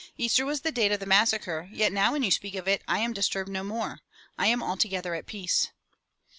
"Easter was the date of the massacre, yet now when you speak of it I am disturbed no more. I am altogether at peace."